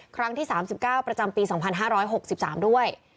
ครั้งที่๓๙ประจำปี๒๕๖๓ด้วย